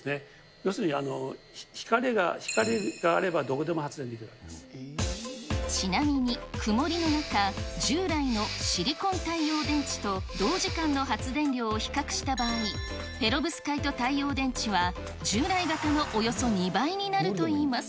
要するに、光があればどこでも発ちなみに曇りの中、従来のシリコン太陽電池と同時間の発電量を比較した場合、ペロブスカイト太陽電池は従来型のおよそ２倍になるといいます。